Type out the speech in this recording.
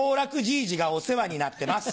いじがお世話になってます。